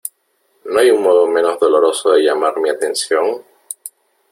¿ No hay un modo menos doloroso de llamar mi atención ?